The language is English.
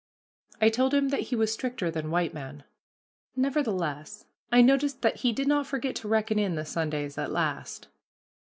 I told him that he was stricter than white men. Nevertheless, I noticed that he did not forget to reckon in the Sundays at last.